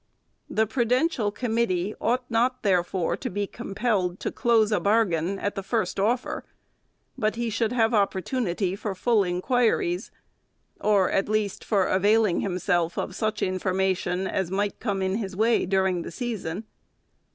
The prudential committee ought not, therefore, to be compelled to close a bargain at the first offer, but he should have opportunity for full inquiries, or, at least, for availing himself of such information as might come in his way, during the season.